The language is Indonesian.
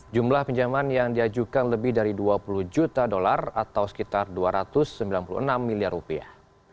jumlah pinjaman yang diajukan lebih dari dua puluh juta dolar atau sekitar dua ratus sembilan puluh enam miliar rupiah